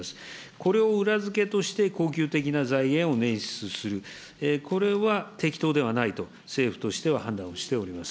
これを裏付けとして、恒久的な財源を捻出する、これは適当ではないと、政府としては判断をしております。